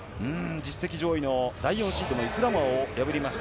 実績上位の第４シードのイスラモアを破りました。